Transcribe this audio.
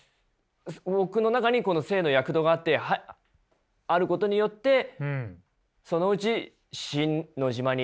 僕の中にこの生の躍動があることによってそのうちシン・ノジマに？